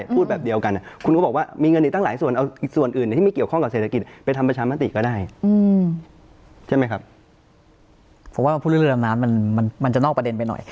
พูดเรือดำน้ำจะนอกประเด็นไปหน่อย